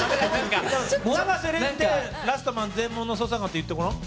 永瀬廉で「ラストマン−全盲の捜査官−」って言ってごらん？